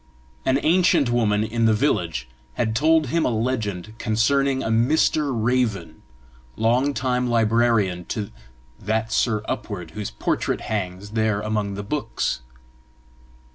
An ancient woman in the village had told him a legend concerning a Mr. Raven, long time librarian to "that Sir Upward whose portrait hangs there among the books."